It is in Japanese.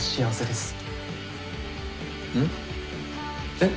えっ？